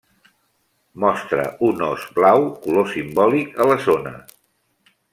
Mostra un ós blau, color simbòlic a la zona.